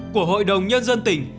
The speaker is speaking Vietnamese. của hội đồng nhân dân tỉnh